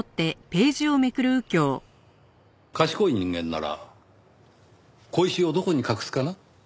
「賢い人間なら小石をどこに隠すかな？」